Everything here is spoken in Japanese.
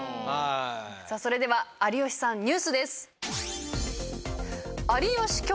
それでは有吉さんニュースです。